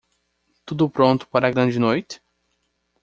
Tudo pronto para a grande noite?